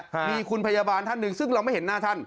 ครับมีคุณพยาบาลท่านหนึ่งซึ่งเราไม่เห็นหน้าท่าน